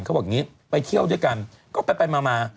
เขาบอกอย่างนี้ไปเที่ยวด้วยกันก็ไปมา